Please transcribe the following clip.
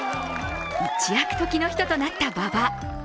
一躍、時の人となった馬場。